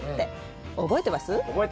覚えてます！